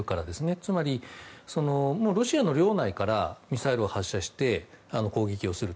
つまり、ロシアの領内からミサイルを発射して攻撃をすると。